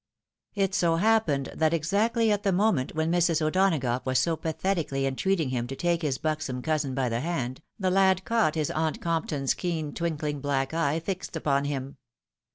It so happened, that exactly at the moment when Mrs. O'Donagough was so pathetically entreating him to take his buxom cousin by the hand, the lad caught his aunt Compton's keen twinkling black eye fixed upon him.